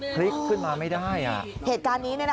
คลิกขึ้นมาไม่ได้อ่ะเหตุการณ์นี้เนี้ยนะคะ